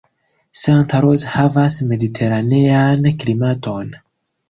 Santa Rosa havas mediteranean klimaton.